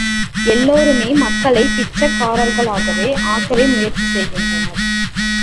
எல்லாருமே மக்களைப் பிச்சைக்காரர்களாக ஆக்கவே முயற்சி செய்கின்றனர்.